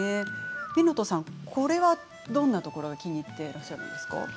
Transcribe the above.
湊さん、これはどんなところが気に入っているんですか？